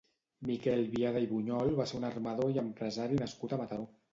Miquel Biada i Bunyol va ser un armador i empresari nascut a Mataró.